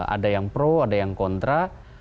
ada yang pro ada yang kontra